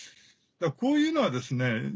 だからこういうのはですね